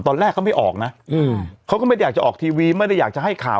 ตอนแรกเขาไม่ออกนะเขาก็ไม่ได้อยากจะออกทีวีไม่ได้อยากจะให้ข่าว